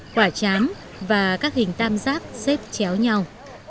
quả chán và các hình tam giác xếp chéo nhau